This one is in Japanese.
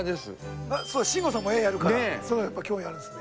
慎吾さんも絵やるから興味あるんですね。